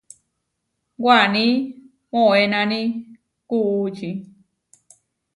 Waní moʼénani kuʼúči.